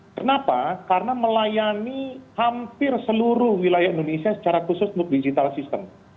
kenapa karena melayani hampir seluruh wilayah indonesia secara khusus untuk digital system